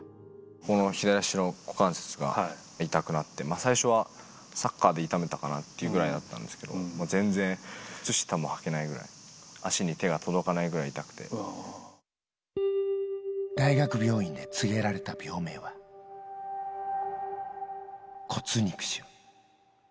この左足の股関節が痛くなって、最初はサッカーで痛めたかなっていうぐらいだったんですけど、全然、靴下もはけないぐらい、大学病院で告げられた病名は、骨肉腫。